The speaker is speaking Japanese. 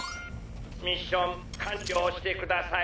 ミッションかんりょうしてください。